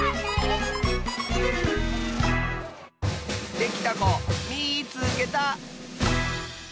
できたこみいつけた！